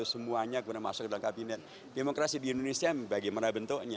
semuanya kemudian masuk ke dalam kabinet demokrasi di indonesia bagaimana bentuknya